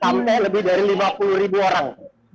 sampai lebih dari lima puluh ribu orang